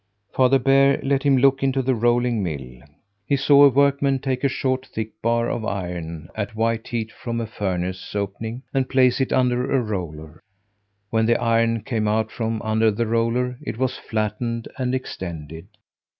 Father Bear let him look into the rolling mill. He saw a workman take a short, thick bar of iron at white heat from a furnace opening and place it under a roller. When the iron came out from under the roller, it was flattened and extended.